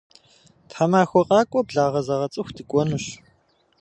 Тхьэмахуэ къакӏуэ благъэзэгъэцӏыху дыкӏуэнущ.